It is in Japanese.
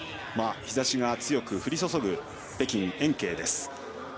日ざしが強く降り注ぐ北京・延慶です。